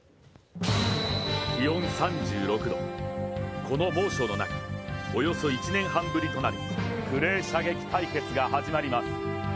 気温３６度、この猛暑の中およそ１年半ぶりとなるクレー射撃対決が始まります。